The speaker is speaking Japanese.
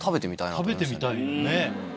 食べてみたいよね。